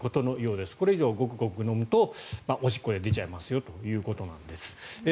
これ以上、ごくごく飲むとおしっこで出ちゃいますよということです。